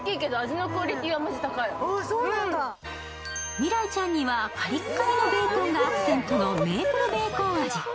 未来ちゃんにはカリッカリのベーコンがアクセントのメープル・ベーコン味。